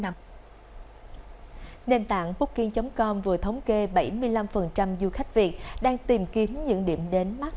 nền tảng booking com vừa thống kê bảy mươi năm du khách việt đang tìm kiếm những điểm đến mát